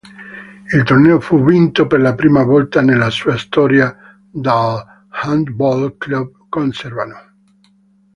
Il torneo fu vinto, per la prima volta nella sua storia, dall'Handball Club Conversano.